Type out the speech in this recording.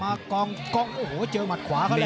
มากองโอ้โหเจอหมัดขวาก็แล้ว